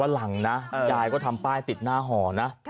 หลังนะยายก็ทำป้ายติดหน้าหอนะ